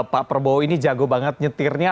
pak prabowo ini jago banget nyetirnya